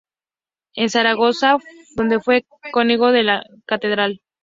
En Zaragoza, donde fue canónigo de la catedral.